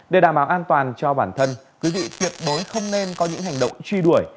để đảm bảo an toàn cho bản thân quý vị tuyệt đối không nên có những hành động truy đuổi